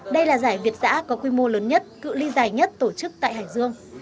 đây là giải việt giã có quy mô lớn nhất cựu ly dài nhất tổ chức tại hải dương